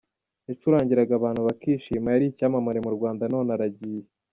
Yacurangiraga abantu bakishima, yari icyamamare mu Rwanda none aragiye.